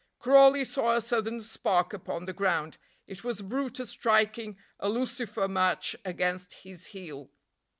Crawley saw a sudden spark upon the ground; it was brutus striking a lucifer match against his heel.